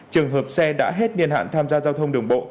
trường hợp xe đã hết niên hạn tham gia giao thông đường bộ